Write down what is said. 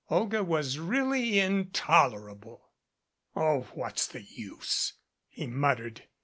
Olga was really intolerable. "Oh, what's the use?" he muttered.